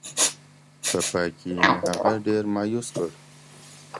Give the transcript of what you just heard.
په پای کې یې هغه ډېر مایوس کړ.